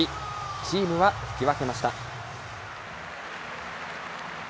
チームは引き分けました。